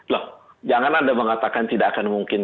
loh jangan anda mengatakan tidak akan mungkin